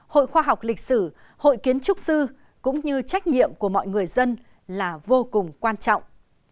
hội khoa học lịch sử hội kiến trúc sư cũng như trách nhiệm của mọi người dân là vô cùng quan trọng